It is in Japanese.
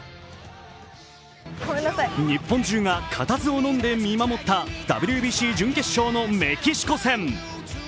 日本中が固唾をのんで見守った、ＷＢＣ準決勝のメキシコ戦。